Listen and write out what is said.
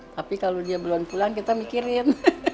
tapi kalau dia belum pulang kita mikirin